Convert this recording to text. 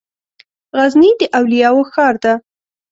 غزني د اولياوو ښار ده